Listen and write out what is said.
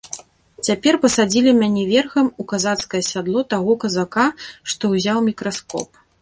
Цяпер пасадзілі мяне верхам у казацкае сядло таго казака, што ўзяў мікраскоп.